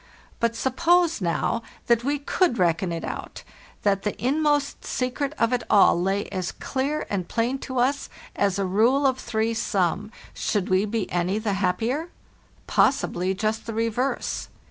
But suppose, now, that we could reckon it out, that the inmost secret of it all lay as clear and plain to us as a rule of three sum, should we be any the happier? Possibly just the reverse.